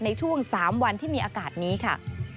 ในช่วง๓วันที่มีอากาศนี้ค่ะ